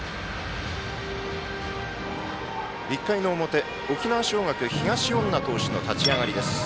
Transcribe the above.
１回の表、沖縄尚学東恩納投手の立ち上がりです。